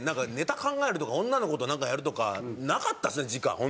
考えるとか女の子となんかやるとかなかったですね時間本当に。